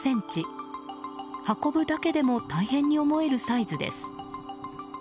運ぶだけでも大変に思えるサイズです。